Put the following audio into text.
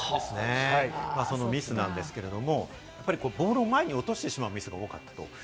そのミスなんですけれど、ボールを前に落としてしまうミスが多かったと。